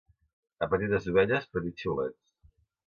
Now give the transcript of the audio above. A petites ovelles, petits xiulets.